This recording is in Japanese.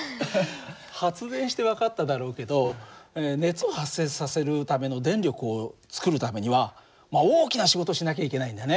発電して分かっただろうけど熱を発生させるための電力を作るためには大きな仕事をしなきゃいけないんだね。